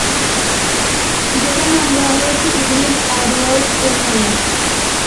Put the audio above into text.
যেটার নাম দেয়া হয়েছে ইভেলিন এডওয়ার্ডস এর নামে।